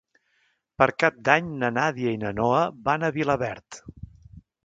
Per Cap d'Any na Nàdia i na Noa van a Vilaverd.